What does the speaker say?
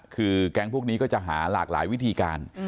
คือแก๊งพวกนี้ก็จะหาหลากหลายวิธีการ